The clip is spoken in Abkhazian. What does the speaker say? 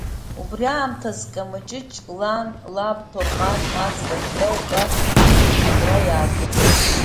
Убри аамҭазы Камаҷыҷ лан, лаб, Ҭорҟан, Мац, Рафида уҳәа зегьы абра иаакылсит.